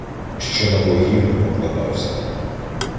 Що на богів не покладався